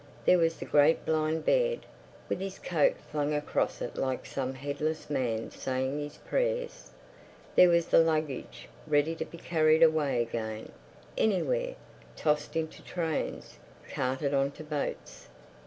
There was the great blind bed, with his coat flung across it like some headless man saying his prayers. There was the luggage, ready to be carried away again, anywhere, tossed into trains, carted on to boats. ...